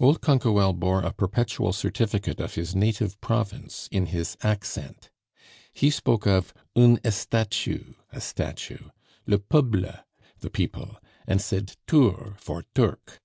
Old Canquoelle bore a perpetual certificate of his native province in his accent. He spoke of une estatue (a statue), le peuble (the people), and said ture for turc.